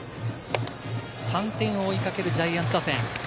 ３点を追いかけるジャイアンツ打線。